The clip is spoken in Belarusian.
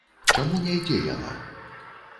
Чаму не ідзе яна?